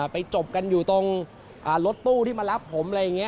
ไปจบกันอยู่ตรงรถตู้ที่มารับผมอะไรอย่างนี้